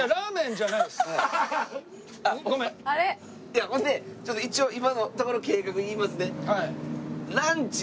いやほんでちょっと一応今のところ計画言いますね。